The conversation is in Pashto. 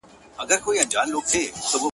شپې یې ډېري تېرېدې په مېلمستیا کي!